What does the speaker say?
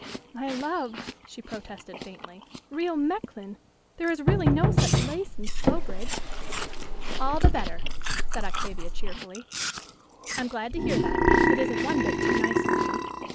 "My love," she protested faintly, "real Mechlin! There is really no such lace in Slowbridge." "All the better," said Octavia cheerfully. "I'm glad to hear that. It isn't one bit too nice for you."